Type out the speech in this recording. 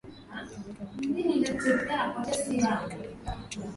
Wamewataka watendaji wote wa serikali kujituma